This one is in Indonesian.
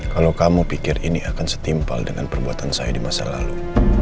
kalau kamu pikir ini akan setimpal dengan perbuatan saya di masa lalu